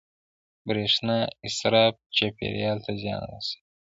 • د برېښنا اسراف چاپېریال ته زیان رسوي.